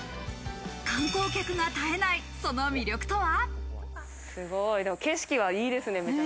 観光客が絶えないその魅力とは。